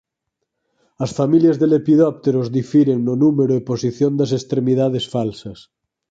As familias de lepidópteros difiren no número e posición das extremidades falsas.